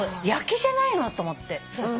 焼きじゃないの！？と思って。